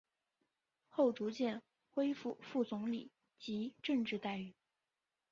后逐渐恢复副总理级政治待遇。